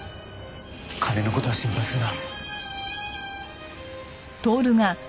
金の事は心配するな。